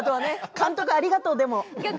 監督ありがとう。